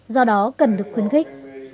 do đó cần được khuyến khích